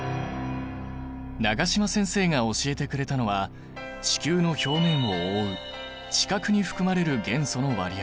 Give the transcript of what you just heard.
永島先生が教えてくれたのは地球の表面を覆う地殻に含まれる元素の割合だ。